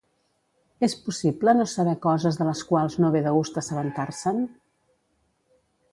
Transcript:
És possible no saber coses de les quals no ve de gust assabentar-se'n?